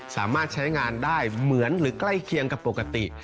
สามารถใช้งานได้เหมือนหรือใกล้เคียงกับปกติ